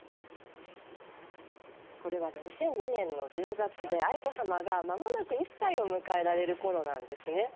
これは２００２年の１０月で愛子さまがまもなく１歳を迎えられるころなんですね。